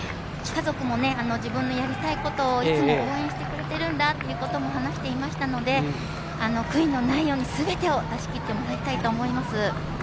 家族も自分のやりたいことをいつも応援してくれているんだと話していましたので悔いのないようにすべてを出し切ってもらいたいと思います。